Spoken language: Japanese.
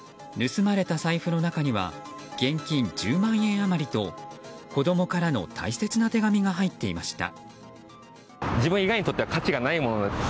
盗まれた財布の中には現金１０万円余りと子供からの大切な手紙が入っていました。